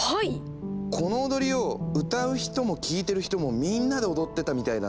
この踊りを歌う人も聴いてる人もみんなで踊ってたみたいだね。